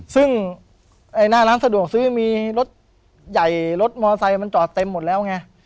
ซึ่งหน้าร้านสะดวกซื้อมีรถใหญ่รถมอไซค์มันจอดเต็มหมดแล้วไง